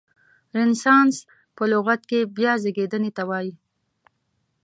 رنسانس په لغت کې بیا زیږیدنې ته وایي.